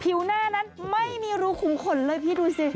หน้านั้นไม่มีรูขุมขนเลยพี่ดูสิ